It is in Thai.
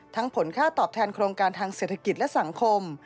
ผลค่าตอบแทนโครงการทางเศรษฐกิจและสังคม